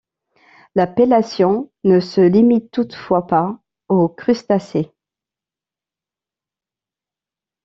L'appellation ne se limite toutefois pas aux crustacés.